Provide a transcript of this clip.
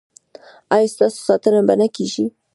ایا ستاسو ساتنه به نه کیږي؟